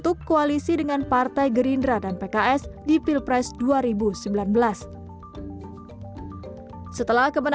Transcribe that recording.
jika percaya namanya dengan rendah harapan tetapi mengundang sanghrang bagi omong diverse segala publik visually misi politik mereka